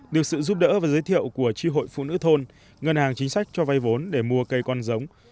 được sự giúp đỡ và giới thiệu của tri hội phụ nữ thôn ngân hàng chính sách cho vay vốn để mua cây con giống